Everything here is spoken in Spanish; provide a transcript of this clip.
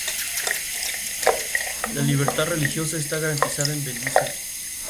La libertad religiosa está garantizada en Belice.